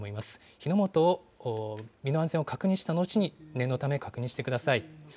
火の元を、身の安全を確認したのちに、念のため確認してください。